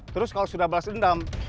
terus kalau sudah balas dendam